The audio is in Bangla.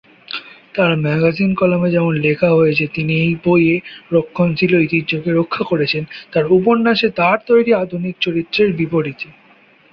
তার ম্যাগাজিন কলামে যেমন লেখা হয়েছে, তিনি এই বইয়ে রক্ষণশীল ঐতিহ্যকে রক্ষা করেছেন তার উপন্যাসে তার তৈরি আধুনিক চরিত্রের বিপরীতে।